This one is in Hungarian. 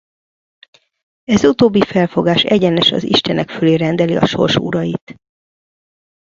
Ez utóbbi felfogás egyenes az istenek fölé rendeli a sors urait.